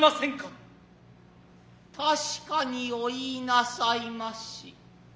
確にお言ひなさいまし。